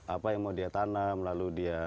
apa yang mau dia tanam lalu dia